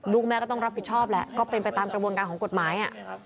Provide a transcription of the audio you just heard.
ลูกแม่ก็ต้องรับผิดชอบแหละก็เป็นไปตามกระบวนการของกฎหมาย